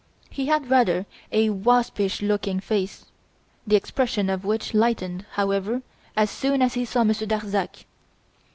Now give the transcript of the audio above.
He had rather a waspish looking face, the expression of which lightened, however, as soon as he saw Monsieur Darzac.